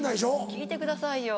聞いてくださいよ。